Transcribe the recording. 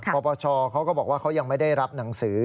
ปปชเขาก็บอกว่าเขายังไม่ได้รับหนังสือ